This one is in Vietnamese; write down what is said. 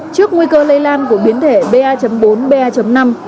trước nguy cơ lây lan của biến thể ba bốn ba năm